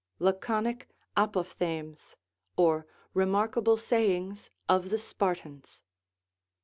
LACONIC APOPHTHEGMS; OR REMARKABLE SAYINGS OF THE SPARTANS.